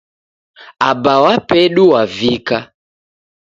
Aba wa pedu wavika